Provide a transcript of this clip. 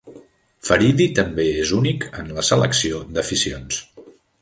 Faridi també és únic en la selecció d'aficions.